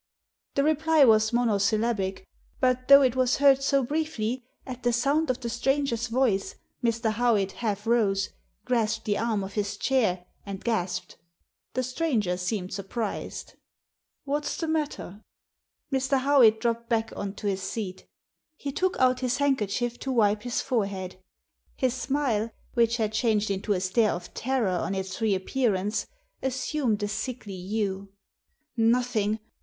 The reply was monosyllabic, but, though it was heard so briefly, at the sound of the stranger's voice Mr. Howitt half rose, grasped the arm of his chair, and gasped. The stranger seemed surprised. Digitized by VjOOQIC A PSYCHOLOGICAL EXPERIMENT 3 •'What's the matter?" Mr. Howitt dropped back on to his seat He took out his handkerchief to wipe his forehead. His smile, which had changed into a stare of terror on its reappearance, assumed a sickly hue. " Nothing.